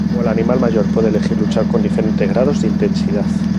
O el animal mayor puede elegir luchar con diferentes grados de intensidad.